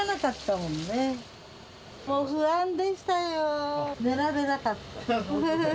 もう不安でしたよ、寝られなかった。